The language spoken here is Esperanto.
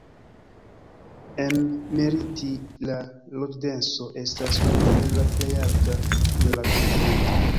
En Meriti la loĝdenso estas unu el la plej alta en la kontinento.